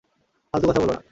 ফালতু কথা বলো না।